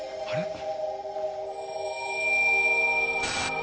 あれ？